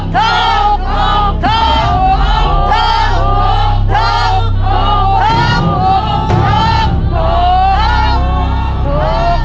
ถูก